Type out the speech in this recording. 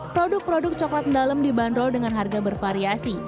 produk produk coklat dalam dibanderol dengan harga bervariasi